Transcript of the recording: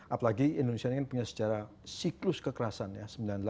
apalagi indonesia ini kan punya sejarah siklus kekerasan ya